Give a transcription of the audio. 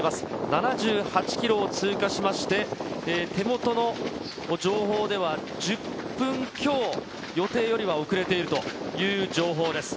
７８キロを通過しまして、手元の情報では１０分強、予定よりは遅れているという情報です。